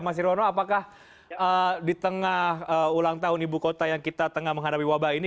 mas irwono apakah di tengah ulang tahun ibu kota yang kita tengah menghadapi wabah ini